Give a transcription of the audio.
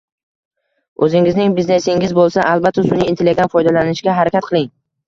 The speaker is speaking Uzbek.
Oʻzingizning biznesingiz boʻlsa, albatta sunʼiy intellektdan foydalanishga harakat qiling.